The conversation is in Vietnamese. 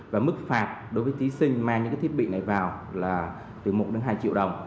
và mức phạt đối với thí sinh mang những cái thiết bị này vào là từ một đến hai triệu đồng